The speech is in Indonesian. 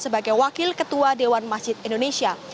sebagai wakil ketua dewan masjid indonesia